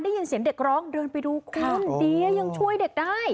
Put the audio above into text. ได้ยินเสียงเด็กร้องเดินไปดูคุณดียังช่วยเด็กได้